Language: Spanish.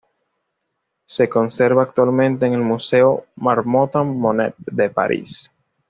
Se conserva actualmente en el Museo Marmottan-Monet de París.